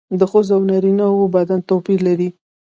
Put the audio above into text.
د ښځو او نارینه وو بدن توپیر لري